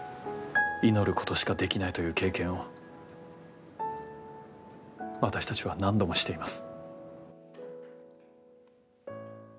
祈ることしかできないという経験を私たちは、何度もしています。